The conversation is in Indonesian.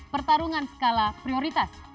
pertarungan skala prioritas